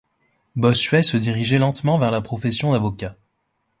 Bossuet se dirigeait lentement vers la profession d'avocat.